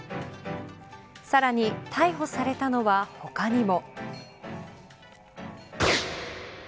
さらに逮捕されたのは他にも。